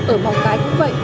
ở mòng cái cũng vậy